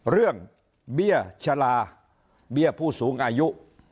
เรื่องเบี้ยชะลาเบี้ยผู้สูงอายุ